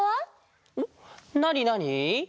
なになに？